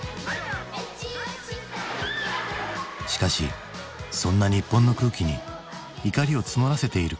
しかしそんな日本の空気に怒りを募らせている国があった。